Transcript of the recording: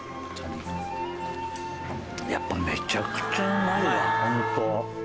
やっぱめちゃくちゃうまいわホント。